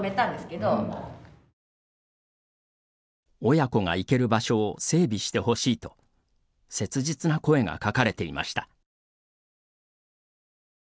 親子が行ける場所を整備してほしいと切実な声が書かれていました。